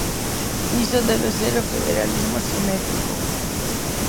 Iso debe de ser o federalismo asimétrico.